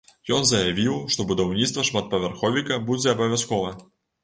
Ён заявіў, што будаўніцтва шматпавярховіка будзе абавязкова.